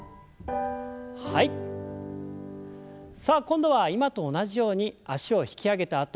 さあ今度は今と同じように脚を引き上げた